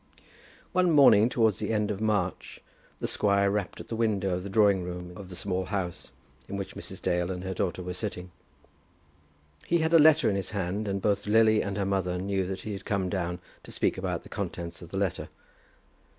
One morning towards the end of March the squire rapped at the window of the drawing room of the Small House, in which Mrs. Dale and her daughter were sitting. He had a letter in his hand, and both Lily and her mother knew that he had come down to speak about the contents of the letter.